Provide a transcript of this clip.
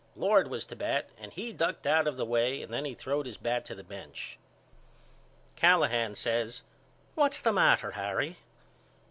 Lord was to bat and he ducked out of the way and then throwed his bat to the bench. Callahan says What's the matter Harry?